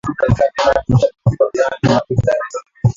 Ambayo iliwageuza ndani nje.